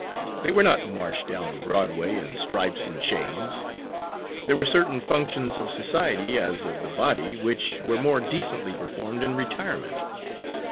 They were not marched down Broadway in stripes and chains. There were certain functions of society, as of the body, which were more decently performed in retirement.